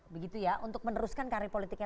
begitu ya untuk meneruskan karir politiknya